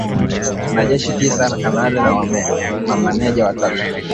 Wanajeshi tisa kanali na mameja watatu